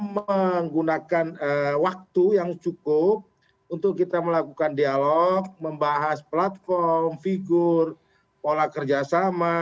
menggunakan waktu yang cukup untuk kita melakukan dialog membahas platform figur pola kerjasama